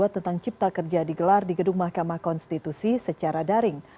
tentang cipta kerja digelar di gedung mahkamah konstitusi secara daring